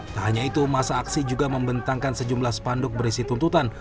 tak hanya itu masa aksi juga membentangkan sejumlah spanduk berisi tuntutan